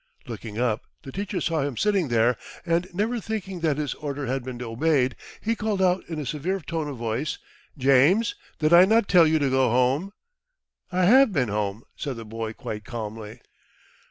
Looking up, the teacher saw him sitting there, and, never thinking that his order had been obeyed, he called out in a severe tone of voice, "James, did I not tell you to go home?" "I have been home," said the boy quite calmly.